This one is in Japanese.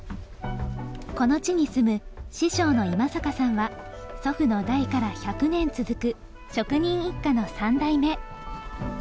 この地に住む師匠の今坂さんは祖父の代から１００年続く職人一家の３代目。